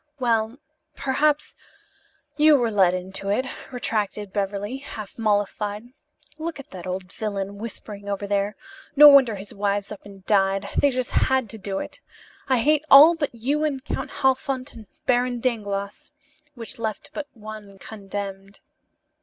"Well, perhaps you were led into it," retracted Beverly, half mollified. "Look at that old villain whispering over there. No wonder his wives up and died. They just had to do it. I hate all but you and Count Halfont and Baron Dangloss," which left but one condemned.